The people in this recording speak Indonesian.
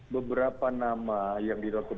beberapa nama yang dirawatkan